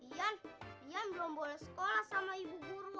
dian dian belum boleh sekolah sama ibu guru